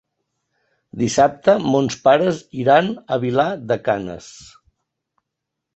Dissabte mons pares iran a Vilar de Canes.